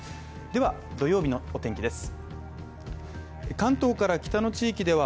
では土曜日のお天気です。